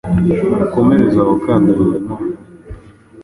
Mukomereze aho gukandagira noneho